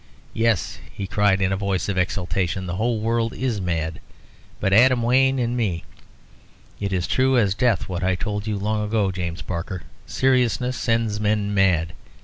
"Yes," he cried, in a voice of exultation, "the whole world is mad, but Adam Wayne and me. It is true as death what I told you long ago, James Barker, seriousness sends men mad.